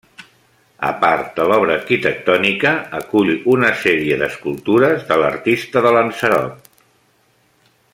A part de l'obra arquitectònica, acull una sèrie d'escultures de l'artista de Lanzarote.